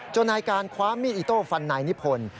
นายการคว้ามีดอิโต้ฟันนายนิพนธ์